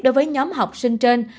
đối với nhóm học sinh trên